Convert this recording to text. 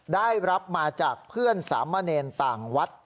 ได้รับมาจากเพื่อนสามเณรต่างวัด